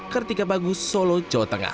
kartika bagus solo jawa tengah